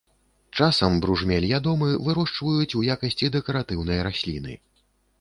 Часам бружмель ядомы вырошчваюць у якасці дэкаратыўнай расліны.